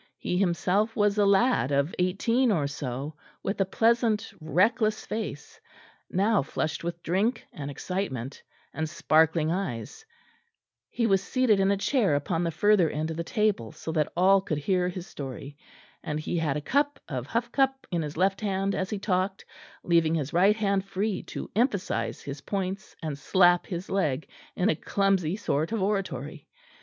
He himself was a lad of eighteen or so, with a pleasant reckless face, now flushed with drink and excitement, and sparkling eyes; he was seated in a chair upon the further end of the table, so that all could hear his story; and he had a cup of huff cup in his left hand as he talked, leaving his right hand free to emphasise his points and slap his leg in a clumsy sort of oratory.